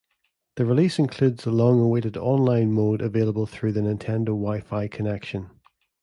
The release includes the long-awaited online mode available through the Nintendo Wi-Fi connection.